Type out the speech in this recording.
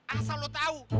asal lu tahu